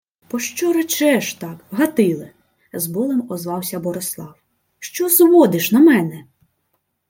— Пощо речеш так, Гатиле? — з болем озвався Борислав. — Що зводиш на мене?..